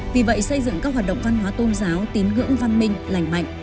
vì vậy xây dựng các hoạt động văn hóa tôn giáo tín ngưỡng văn minh lành mạnh